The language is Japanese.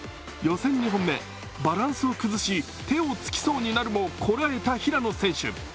予選２本目、バランスを崩し、手をつきそうになるもこらえた平野選手。